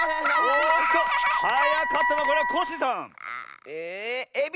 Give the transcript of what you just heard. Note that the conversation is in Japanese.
おっとはやかったのはこれはコッシーさん！えエビ！